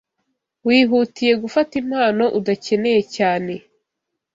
Wihutiye gufata impano udakeneye cyane